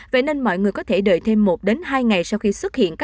vậy nên mọi người có thể đợi thêm một đến hai ngày sau khi xuất hiện